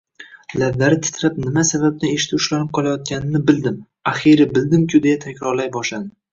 Lablari titrab Nima sababdan ishda ushlanib qolayotganini bildim, axiyri bildim-ku deya takrorlay boshladi